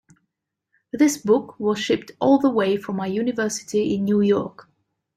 This book was shipped all the way from my university in New York.